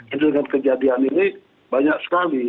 itu dengan kejadian ini banyak sekali